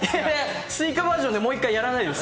Ｓｕｉｃａバージョンでもう一回やらないです。